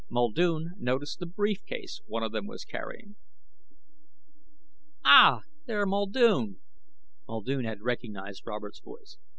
Muldoon noticed the brief case one of them was carrying. "Ah, there, Muldoon," Muldoon had recognized Robert's voice.